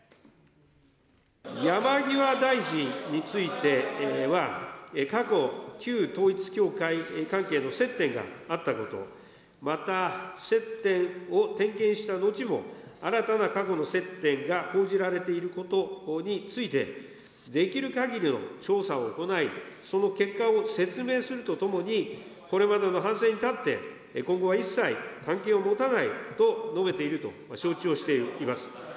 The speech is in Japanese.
山際大臣については過去、旧統一教会関係の接点があったこと、また接点を点検した後も、新たな過去の接点が報じられていることについて、できるかぎりの調査を行い、その結果を説明するとともに、これまでの反省に立って、今後は一切、関係を持たないと述べていると承知をしています。